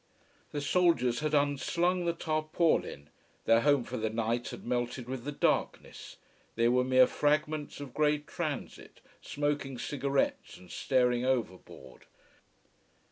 The soldiers had unslung the tarpaulin, their home for the night had melted with the darkness, they were mere fragments of gray transit smoking cigarettes and staring overboard.